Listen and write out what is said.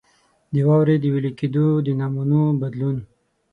د واورو د وېلې کېدو د نمونو بدلون.